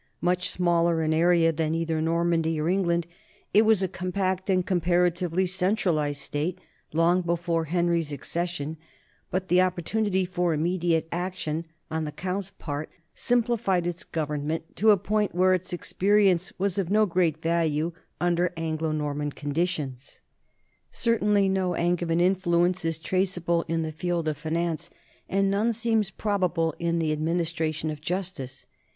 Much smaller in area than either Normandy or England, it was a compact and comparatively cen tralized state long before Henry's accession, but the op portunity for immediate action on the count's part sim plified its government to a point where its experience was of no great value under Anglo Norman conditions. Certainly no Angevin influence is traceable in the field of finance, and none seems probable in the administration of justice.